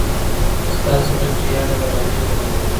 ستا څخه چي ياره روانـېــږمه